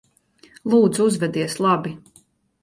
Lūdzu, uzvedies labi.